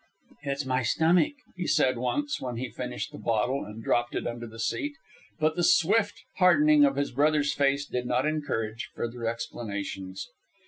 "It's my stomach," he said, once, when he finished the bottle and dropped it under the seat; but the swift hardening of his brother's face did not encourage further explanations.